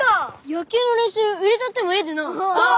野球の練習入れたってもええでなぁ。